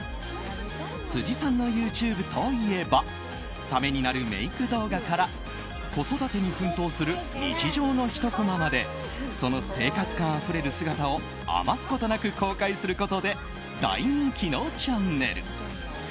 辻さんのＹｏｕＴｕｂｅといえばためになるメイク動画から子育てに奮闘する日常のひとコマまでその生活感あふれる姿を余すことなく公開することで大人気のチャンネル。